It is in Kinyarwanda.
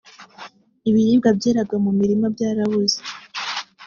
ibiribwa byeraga mu mirima byabuze